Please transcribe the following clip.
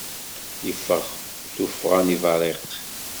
Yeffeɣ tuffɣa n yibarriq.